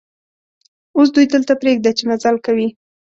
اوس دوی دلته پرېږده چې مزل کوي.